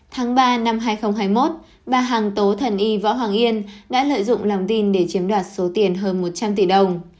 tháng ba năm hai nghìn hai mươi một bà hàng tố thần y võ hoàng yên đã lợi dụng lòng tin để chiếm đoạt số tiền hơn một trăm linh tỷ đồng